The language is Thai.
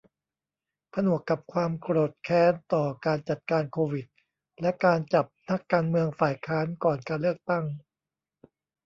ผนวกกับความโกรธแค้นต่อการจัดการโควิด และการจับนักการเมืองฝ่ายค้านก่อนการเลือกตั้ง